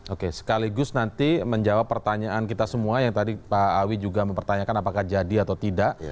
oke sekaligus nanti menjawab pertanyaan kita semua yang tadi pak awi juga mempertanyakan apakah jadi atau tidak